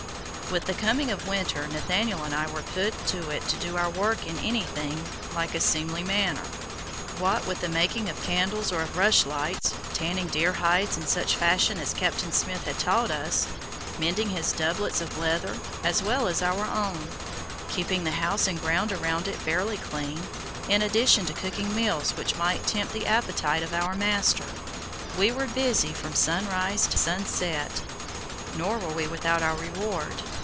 With the coming of winter Nathaniel and I were put to it to do our work in anything like a seemly manner. What with the making of candles, or of rushlights; tanning deer hides in such fashion as Captain Smith had taught us; mending his doublets of leather, as well as our own; keeping the house and ground around it fairly clean, in addition to cooking meals which might tempt the appetite of our master, we were busy from sunrise to sunset. Nor were we without our reward.